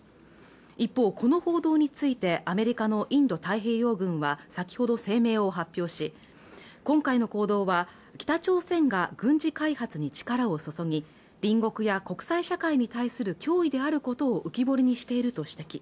一方この報道についてアメリカのインド太平洋軍は先ほど声明を発表し今回の行動は北朝鮮が軍事開発に力を注ぎ隣国や国際社会に対する脅威であることを浮き彫りにしていると指摘